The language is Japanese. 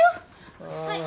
はい。